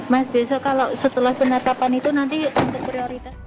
mas biasa kalau setelah penatapan itu nanti